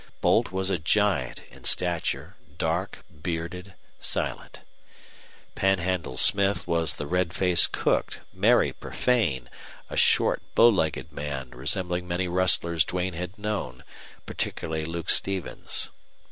Boldt was a giant in stature, dark, bearded, silent. Panhandle Smith was the red faced cook, merry, profane, a short, bow legged man resembling many rustlers Duane had known, particularly Luke Stevens.